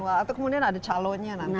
atau kemudian ada calonnya nanti